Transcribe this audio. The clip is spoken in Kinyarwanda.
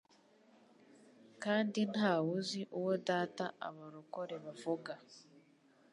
kandi nta wuzi uwo data abarokore bavuga